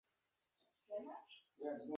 মায়ের খেয়াল রেখো।